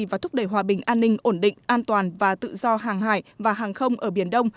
và thúc đẩy hòa bình an ninh ổn định an toàn và tự do hàng hải và hàng không ở biển đông